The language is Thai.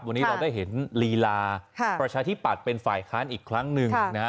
วันนี้เราได้เห็นลีลาประชาธิปัตย์เป็นฝ่ายค้านอีกครั้งหนึ่งนะฮะ